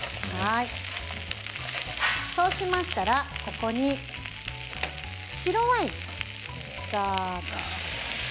そうしましたらここに白ワインざーっと。